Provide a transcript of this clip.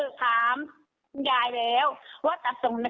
เนี่ยโชว์ให้เขาดูว่าถ่ายเลยนะ